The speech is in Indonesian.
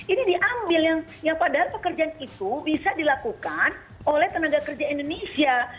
ini diambil yang padahal pekerjaan itu bisa dilakukan oleh tenaga kerja indonesia